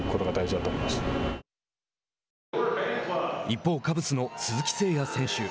一方カブスの鈴木誠也選手。